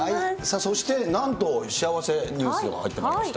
そしてなんと、幸せニュース入ってまいりました。